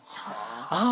ああ！